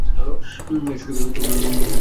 এই সুযোগে লোকটি পড়ি মরি ছুট দেয়।